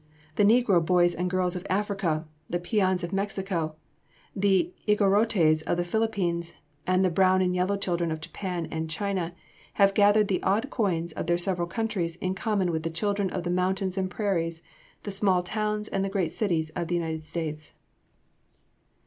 The negro boys and girls of Africa, the peons of Mexico, the Igorotes of the Philippines, and the brown and yellow children of Japan and China have gathered the odd coins of their several countries in common with the children of the mountains and prairies, the small towns and the great cities of the United States."